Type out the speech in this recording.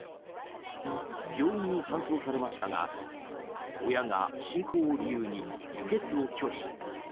病院に搬送されましたが親が信仰を理由に輸血を拒否。